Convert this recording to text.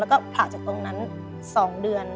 แล้วก็ผลาจากตรงนั้น๒เดือน